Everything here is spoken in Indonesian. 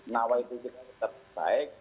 nah waktu itu kita terbaik